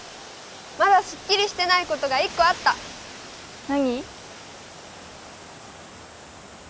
まだスッキリしてないことが一個あった何？